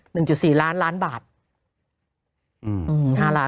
โหยวายโหยวายโหยวาย